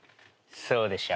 そうでしょ。